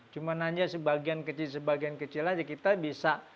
cuma aja sebagian kecil sebagian kecil aja kita bisa